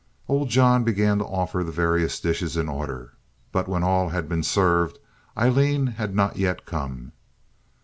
Old John began to offer the various dishes in order; but when all had been served Aileen had not yet come.